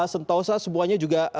sentosa semuanya juga